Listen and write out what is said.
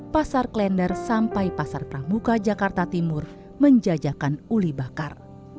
pasar klender sampai pasar pramuka jakarta timur menjajakan uli bakar